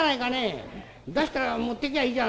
出したら持っていきゃいいじゃないか。